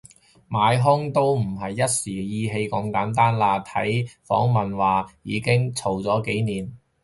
買兇都唔係一時意氣咁簡單啦，睇訪問話已經嘈咗廿年